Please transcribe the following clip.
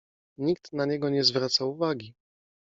Nikt na niego nie zwraca uwagi.